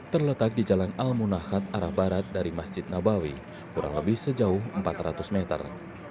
terletak di jalan al munakat arah barat dari masjid nabawi kurang lebih sejauh empat ratus meter